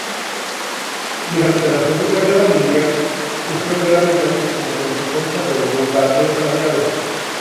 Durante la Segunda Guerra Mundial, sufrió graves daños como consecuencia de los bombardeos aliados.